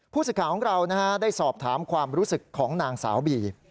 สิทธิ์ของเราได้สอบถามความรู้สึกของนางสาวบี